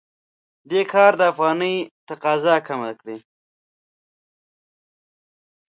دې کار د افغانۍ تقاضا کمه کړې.